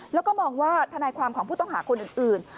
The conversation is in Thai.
แล้วก็มองว่าทนายความของผู้ต้องหาคนอื่น